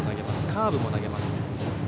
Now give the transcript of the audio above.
カーブも投げます。